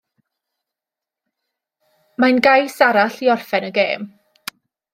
Mae'n gais arall i orffen y gêm.